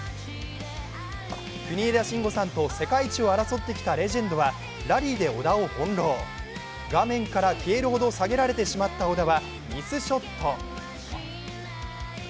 国枝慎吾さんと世界一を争ってきたレジェンドはラリーで小田を翻弄、面から消えるほど下げられてしまった小田はミスショット。